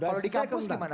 kalau di kampus gimana